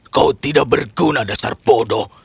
kau tidak berguna dasar bodoh